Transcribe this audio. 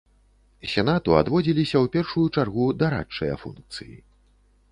Сенату адводзіліся ў першую чаргу дарадчыя функцыі.